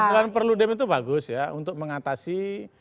aturan perludem itu bagus ya untuk mengatasi